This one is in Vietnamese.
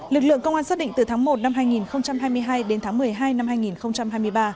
lực lượng công an xác định từ tháng một năm hai nghìn hai mươi hai đến tháng một mươi hai năm hai nghìn hai mươi ba